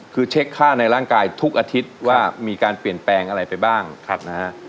คือเช็คค่าในร่างกายทุกอาทิตย์ว่ามีการเปลี่ยนแปลงอะไรไปบ้างนะฮะ